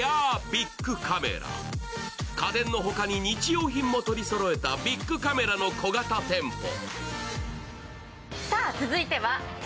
家電の他に日用品も取りそろえたビックカメラの小型店舗。